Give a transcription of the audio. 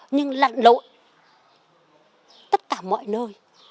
nhưng lặn lội tất cả mọi nơi